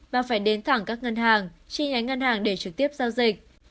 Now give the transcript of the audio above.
và phải đến thẳng các ngân hàng chi nhánh ngân hàng để trực tiếp giao dịch